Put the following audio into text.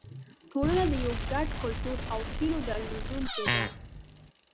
ټولنه د یو ګډ کلتور او هیلو درلودونکې ده.